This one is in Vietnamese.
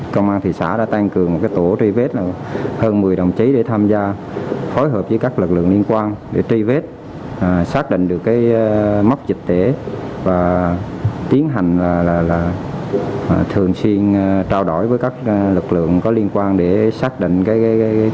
công an thị xã đức phổ huy động tối đa các lực lượng tham gia truy vết ngay từ khi có ca bệnh covid một mươi chín phát sinh